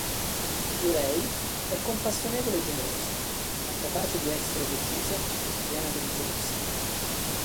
Yolei è compassionevole e generosa, ma capace di essere decisa e piena di risorse.